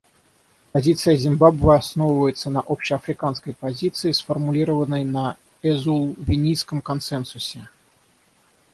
Позиция Зимбабве основывается на общеафриканской позиции, сформулированной в Эзулвинийском консенсусе.